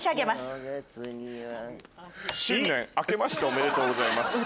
お正月には新年あけましておめでとうございます。